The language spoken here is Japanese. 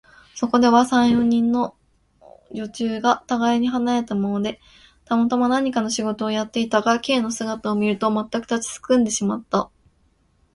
そこでは、三、四人の女中がたがいに離れたままで、たまたま何かの仕事をやっていたが、Ｋ の姿を見ると、まったく立ちすくんでしまった。